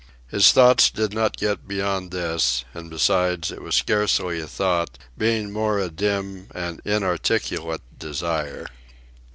His thoughts did not get beyond this, and besides, it was scarcely a thought, being more a dim and inarticulate desire.